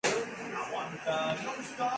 Los abetos y los pinos están muy extendidos.